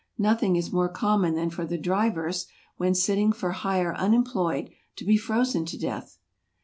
No¬ thing is more common than for the drivers, when sitting for hire unemployed, to be frozen to death.